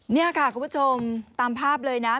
นี่ค่ะคุณผู้ชมตามภาพเลยนะ